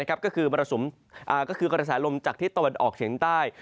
ก็คือกระแสลมจากทิศตะวันออกเฉียงใต้